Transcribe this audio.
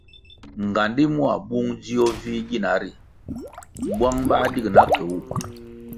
Ngandi mua bung dzio vih gina ri bwang bah dig na ke wu.